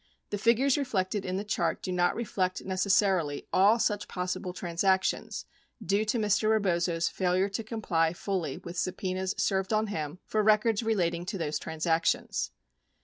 The figures reflected in the chart do not reflect necessarily all such possible transactions due to Mr. Rebozo's failure to comply fully with subpenas served on him for records relating to those transactions.